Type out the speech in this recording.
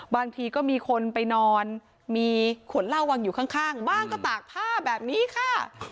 บางทีก็มีคนไปนอนมีขวดเหล้าวางอยู่ข้างบ้างก็ตากผ้าแบบนี้ค่ะ